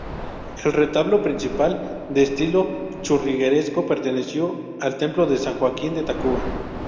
El retablo principal, de estilo churrigueresco perteneció al templo de San Joaquín de Tacuba.